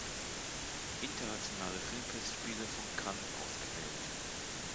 Internationale Filmfestspiele von Cannes ausgewählt.